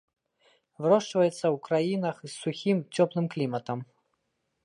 Вырошчваецца ў краінах з сухім, цёплым кліматам.